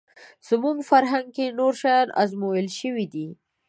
زموږ فرهنګ کې نور شیان ازمویل شوي دي